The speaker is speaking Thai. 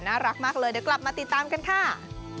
น่ารักมากเลยเดี๋ยวกลับมาติดตามกันค่ะ